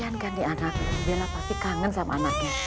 iyan kan dianak bila pasti kangen sama anaknya